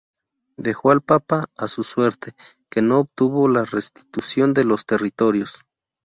Dejó al papa a su suerte, que no obtuvo la restitución de los territorios.